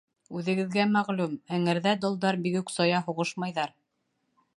Үҙегеҙгә мәғлүм, эңерҙә долдар бигүк сая һуғышмайҙар.